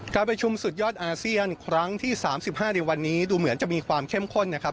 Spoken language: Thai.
การประชุมสุดยอดอาเซียนครั้งที่๓๕ในวันนี้ดูเหมือนจะมีความเข้มข้นนะครับ